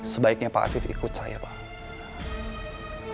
sebaiknya pak afif ikut saya pak